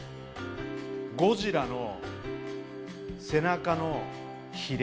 ゴジラの背中のヒレ。